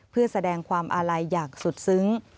เพื่อแสดงความอาลัยอย่างสุดซึ้ง